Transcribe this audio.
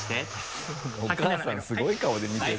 お母さんすごい顔で見てる。